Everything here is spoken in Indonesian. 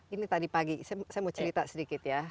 ini tadi pagi saya mau cerita sedikit ya